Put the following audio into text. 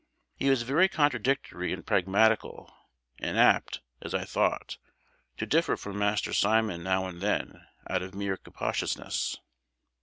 He was very contradictory and pragmatical, and apt, as I thought, to differ from Master Simon now and then out of mere captiousness.